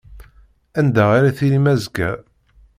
Anda ara tilim azekka?